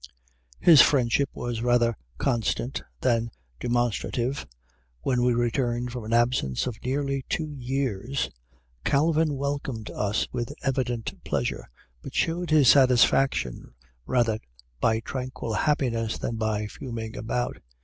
His friendship was rather constant than demonstrative. When we returned from an absence of nearly two years, Calvin welcomed us with evident pleasure, but showed his satisfaction rather by tranquil happiness than by fuming about.